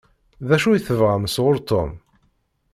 D acu i tebɣam sɣur Tom?